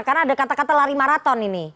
karena ada kata kata lari maraton ini